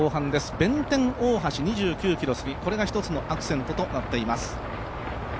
弁天大橋２９ｋｍ過ぎ、これが１つのアクセントとなっています。